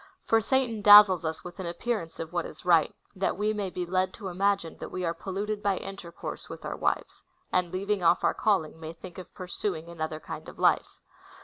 For Satan dazzles us Avith an appearance of AA'hat is right, that we may be led to imagine that we are polluted by intercourse Avith our Avivcs, and leaA'ing off our calling, may think of pur suing another kind of life.